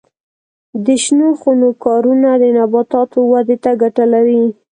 د شنو خونو کارونه د نباتاتو ودې ته ګټه لري.